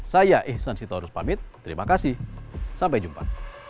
saya ihsan sitorus pamit terima kasih sampai jumpa